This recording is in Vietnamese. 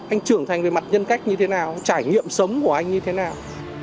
anh trưởng thành về mặt nhân cách như thế nào trải nghiệm sống của anh như thế nào